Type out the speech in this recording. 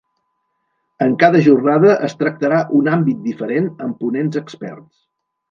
En cada jornada es tractarà un àmbit diferent amb ponents experts.